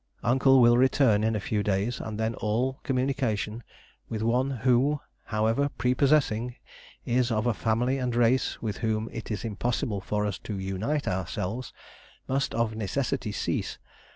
Uncle will return in a few days, and then all communication with one who, however prepossessing, is of a family and race with whom it is impossible for us to unite ourselves, must of necessity cease.